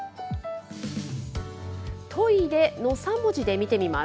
トイレの３文字で見てみます。